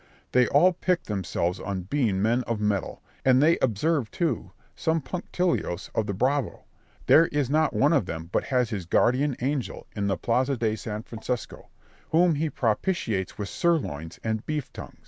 They all pique themselves on being men of mettle, and they observe, too, some punctilios of the bravo; there is not one of them but has his guardian angel in the Plaza de San Francesco, whom he propitiates with sirloins, and beef tongues.